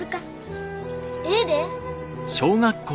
ええで。